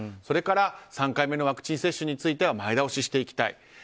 それから３回目のワクチン接種については前倒ししていきたい。